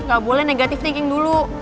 gak boleh negative thinking dulu